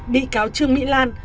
bị cáo trương mỹ lan